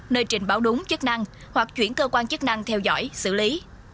nơi trình báo đúng chức năng hoặc chuyển cơ quan chức năng theo dõi xử lý